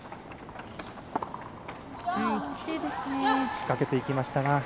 仕掛けていきましたが。